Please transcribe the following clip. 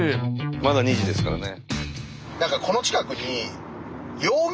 まだ２時ですからね。